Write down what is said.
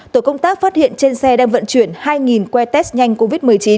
tổ công tác phát hiện trên xe đang vận chuyển hai quay test nhanh covid một mươi chín